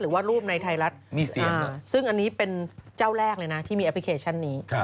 หรือว่ารูปในไทยรัฐซึ่งอันนี้เป็นเจ้าแรกเลยนะที่มีแอปพลิเคชันนี้